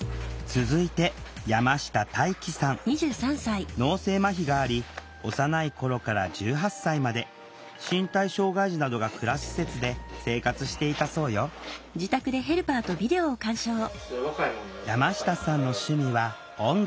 続いて脳性まひがあり幼い頃から１８歳まで身体障害児などが暮らす施設で生活していたそうよ山下さんの趣味は音楽。